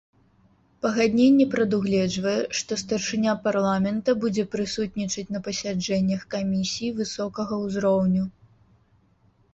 Пагадненне прадугледжвае, што старшыня парламента будзе прысутнічаць на пасяджэннях камісіі высокага ўзроўню.